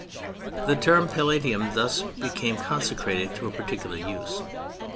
The term "Palatium" thus became consecrated to a particular use.